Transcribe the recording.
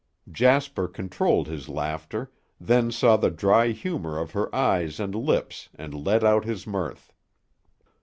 Jasper controlled his laughter, then saw the dry humor of her eyes and lips and let out his mirth.